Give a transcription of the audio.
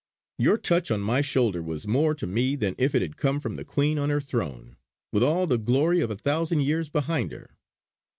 Your touch on my shoulder was more to me than if it had come from the Queen on her throne, with all the glory of a thousand years behind her.